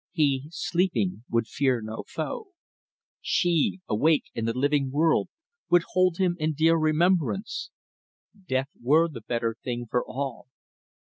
He, sleeping, would fear no foe; she, awake in the living world, would hold him in dear remembrance. Death were the better thing for all.